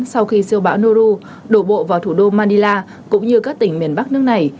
sau khi siêu bão noru đổ bộ vào thủ đô manila cũng như các tỉnh miền bắc nước này